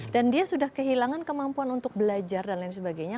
dan dia sudah kehilangan kemampuan untuk belajar dan lain sebagainya